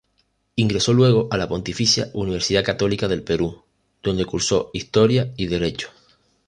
Ingresó luego a la Pontificia Universidad Católica del Perú, donde cursó Historia y Derecho.